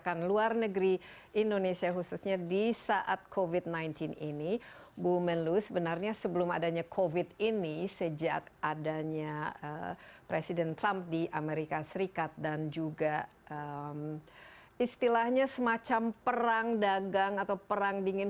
ada beberapa hal yang harus kita lakukan untuk memulai pandemik covid sembilan belas